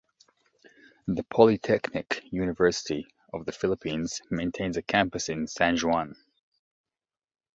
The Polytechnic University of the Philippines maintains a campus in San Juan.